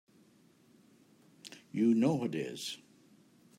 You know it is!